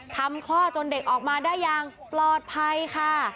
คลอดจนเด็กออกมาได้อย่างปลอดภัยค่ะ